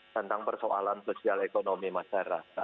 tentang persoalan sosial ekonomi masyarakat